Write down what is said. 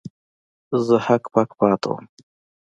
زه هک پک پاتې وم.